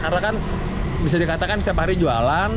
karena kan bisa dikatakan setiap hari jualan